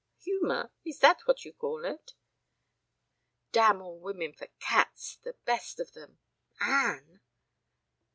"Humor? Is that what you call it?" (Damn all women for cats, the best of them. Anne!)